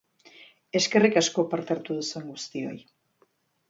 Eskerrik asko parte hartu duzuen guztioi!